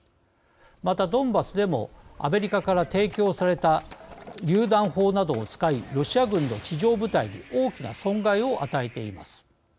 またドンバスでもアメリカから提供されたりゅう弾砲などを使いロシア軍の地上部隊に大きな損害を与えています。